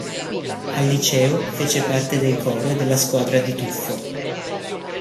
Al liceo fece parte del coro e della squadra di tuffo.